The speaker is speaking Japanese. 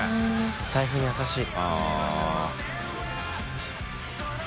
お財布に優しい。